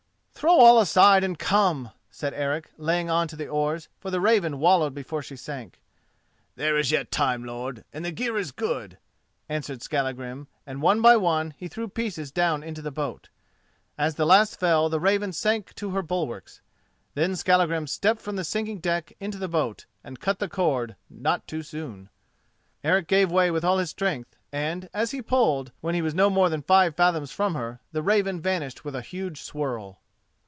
"Throw all aside and come," said Eric, laying on to the oars, for the Raven wallowed before she sank. "There is yet time, lord, and the gear is good," answered Skallagrim, and one by one he threw pieces down into the boat. As the last fell the Raven sank to her bulwarks. Then Skallagrim stepped from the sinking deck into the boat, and cut the cord, not too soon. Eric gave way with all his strength, and, as he pulled, when he was no more than five fathoms from her, the Raven vanished with a huge swirl.